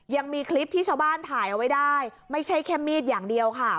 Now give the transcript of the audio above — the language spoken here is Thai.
ยังมีคลิปที่ชาวบ้านถ่ายเอาไว้ได้ไม่ใช่แค่มีดอย่างเดียวค่ะ